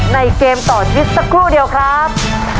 เกมต่อชีวิตสักครู่เดียวครับ